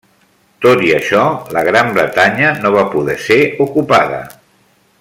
Tot i això, la Gran Bretanya no va poder ser ocupada.